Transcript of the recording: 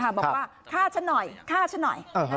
บอกว่าฆ่าฉันหน่อยฆ่าฉันหน่อย